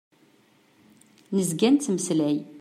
Nezga nettmeslay.